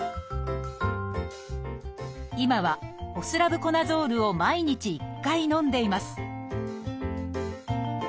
今はホスラブコナゾールを毎日１回のんでいます